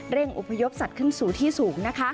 เร่งอุปยบสัตว์ขึ้นสู่ที่สูงนะคะ